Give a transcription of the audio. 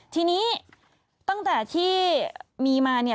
ทีนี้ตั้งแต่ที่มีมาเนี่ย